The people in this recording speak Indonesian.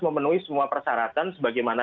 memenuhi semua persyaratan sebagaimana